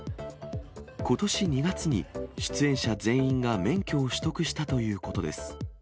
ことし２月に出演者全員が免許を取得したということです。